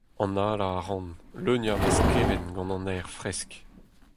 Analañ a ran, leuniañ ma skevent gant an aer fresk.